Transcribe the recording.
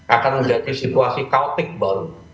akan menjadi situasi kautik baru